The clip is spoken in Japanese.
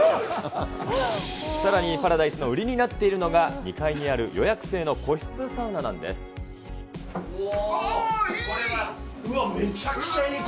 さらにパラダイスの売りになっているのが、２階にある予約制の個あー、いい。